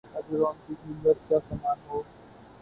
ہر جگہ ان کی زلت کا سامان ہو